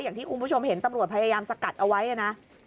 อย่างที่คุณผู้ชมเห็นตำรวจพยายามสกัดเอาไว้นะ